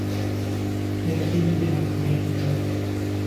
Yafiiridde mu kabenje.